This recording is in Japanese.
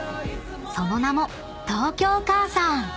［その名も東京かあさん］